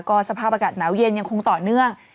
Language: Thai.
ก็สภาพอากาศหนาวเย็นยังคงต่อเนื่อง